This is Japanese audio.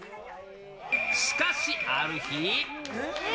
しかしある日。